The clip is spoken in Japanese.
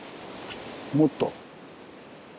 もっと？